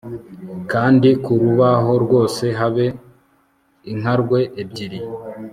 kandi ku rubaho rwose habe inkarwe ebyiri